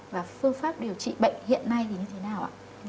và phương pháp điều trị bệnh hiện nay như thế nào